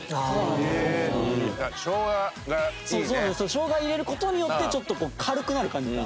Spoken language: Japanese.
しょうがを入れる事によってちょっと軽くなる感じが。